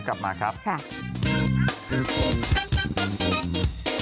และคุณเอ็มด้วย